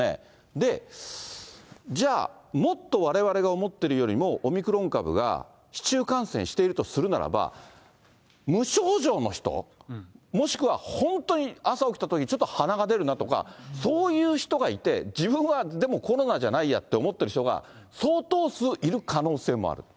で、じゃあ、もっと、われわれが思ってるよりもオミクロン株が、市中感染しているとするならば、無症状の人、もしくは本当に朝起きたとき、ちょっと鼻が出るなとか、そういう人がいて、自分は、でもコロナじゃないやって思っている人が相当数いる可能性もある。